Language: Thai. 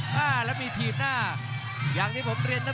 อย่าหลวนนะครับที่เตือนทางด้านยอดปรับศึกครับ